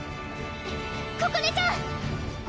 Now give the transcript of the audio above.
ここねちゃん！